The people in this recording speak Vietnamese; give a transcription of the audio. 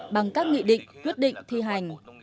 bằng các nghị định quyết định thi hành